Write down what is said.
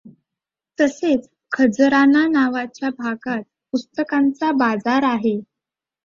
तसेच खजराना नावाच्या भागात पुस्तकांचा बाजार आहे.